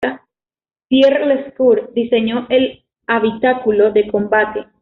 Pierre Lescure diseñó el habitáculo de combate.